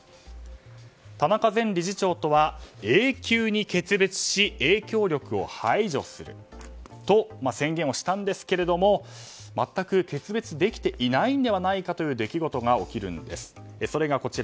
田中前理事長とは永久に決別し影響力を排除すると宣言をしたんですけど全く決別できていないのではないかという出来事が起きるんです。